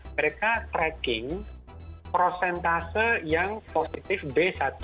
mereka tracking prosentase yang positif b seribu enam ratus tujuh belas satu